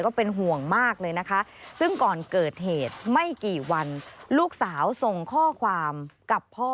ก็เป็นห่วงมากเลยนะคะซึ่งก่อนเกิดเหตุไม่กี่วันลูกสาวส่งข้อความกับพ่อ